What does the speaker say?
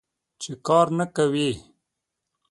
چې کار نه کوې.